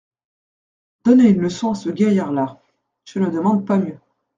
Donner une leçon à ce gaillard-là … je ne demande pas mieux.